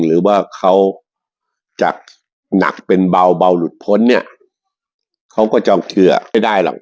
หรือว่าเขาจากหนักเป็นเบาหลุดพ้นเนี่ยเขาก็จะเชื่อไม่ได้หรอก